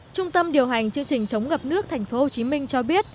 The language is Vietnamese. trung tâm điều hành chương trình chống ngập nước tp hcm cho biết